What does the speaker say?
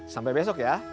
sampai besok ya